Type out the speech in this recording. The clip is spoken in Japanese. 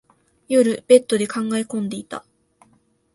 夜、ベッドで考え込んでいた。